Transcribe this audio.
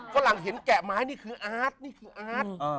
ฝรั่งเห็นแกะไม้นี่คืออาร์ตนี่คืออาร์ต